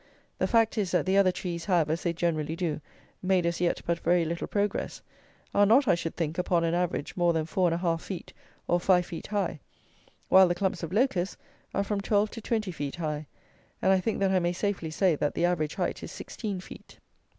The fact is that the other trees have, as they generally do, made as yet but very little progress; are not, I should think, upon an average, more than 4 1/2 feet, or 5 feet, high; while the clumps of Locusts are from 12 to 20 feet high; and I think that I may safely say that the average height is sixteen feet.